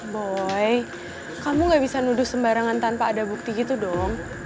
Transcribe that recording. boy kamu gak bisa nuduh sembarangan tanpa ada bukti gitu dong